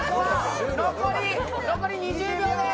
残り２０秒です！